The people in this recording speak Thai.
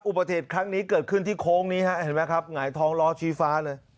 อุปกรณ์ที่ครั้งนี้เกิดขึ้นที่โค้งในทองล้อชี้ฟ้า